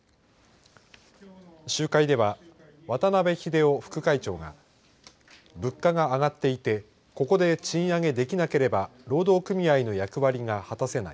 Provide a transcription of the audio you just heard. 集会では渡辺秀雄副会長が物価が上がっていてここで賃上げできなければ労働組合の役割が果たせない。